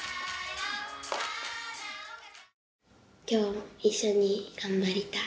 今日一緒に頑張りたい。